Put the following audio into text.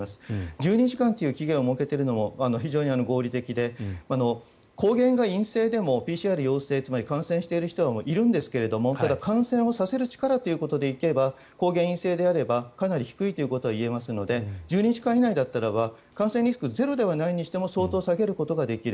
１２時間という期限を設けているのも非常に合理的で抗原が陰性でもＰＣＲ陽性つまり感染している人はいるんですがただ、感染をさせる力ということで言えば抗原で陰性ならばかなり低いということは言えますので１２時間以内だったら感染リスクゼロではないにしても相当下げることができる。